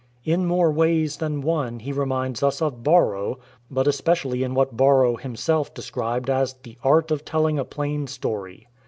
In more ways than one he reminds us of Borrow, but especially in what Borrow himself described as " the art of telling a plain story."